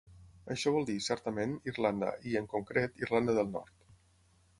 Això vol dir, certament, Irlanda i, en concret, Irlanda del Nord.